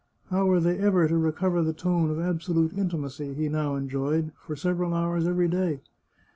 How were they ever to recover the tone of absolute intimacy he now enjoyed for several hours every day?